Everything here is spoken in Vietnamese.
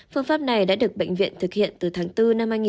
phương pháp này đã được bệnh viện thực hiện từ tháng bốn